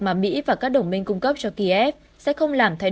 mà mỹ và các đồng minh cung cấp cho kiev sẽ không làm thay